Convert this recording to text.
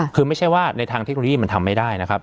คือไม่ใช่ว่าในทางเทคโนโลยีมันทำไม่ได้นะครับ